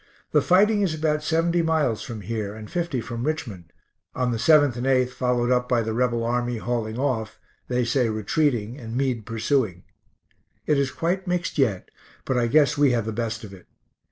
The fighting is about 70 miles from here, and 50 from Richmond on the 7th and 8th followed up by the Rebel army hauling off, they say retreating, and Meade pursuing. It is quite mixed yet, but I guess we have the best of it.